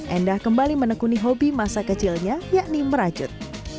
endah kembali menekuni hobi masa kecilnya yakni merajut